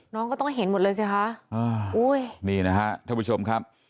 น้องก็ต้องเห็นหมดเลยสิคะอ่าอุ้ยนี่นะฮะท่านผู้ชมครับ